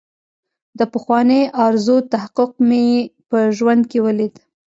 د پخوانۍ ارزو تحقق مې په ژوند کې ولید.